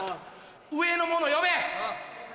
上の者呼べ！